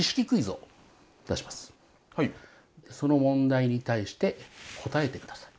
その問題に対して答えて下さい。